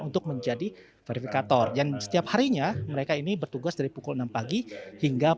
untuk menjadi verifikator dan setiap harinya mereka ini bertugas dari pukul enam pagi hingga